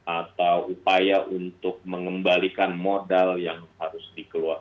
atau upaya untuk mengembalikan modal yang harus dikeluarkan